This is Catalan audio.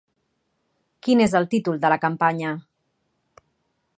Quin és el títol de la campanya?